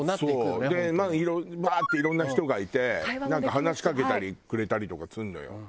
バーッていろんな人がいて話しかけてくれたりとかするのよ。